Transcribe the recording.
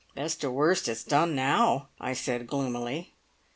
"Best or worst, it's done now," I said gloomily.